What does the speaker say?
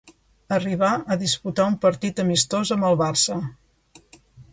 Arribà a disputar un partit amistós amb el Barça.